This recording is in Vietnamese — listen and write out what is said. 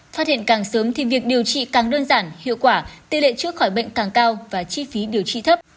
phát hiện càng sớm thì việc điều trị càng đơn giản hiệu quả tỷ lệ chữa khỏi bệnh càng cao và chi phí điều trị thấp